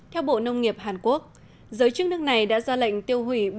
theo bộ nông nghiệp hàn quốc giới chức nước này đã ra lệnh tiêu hủy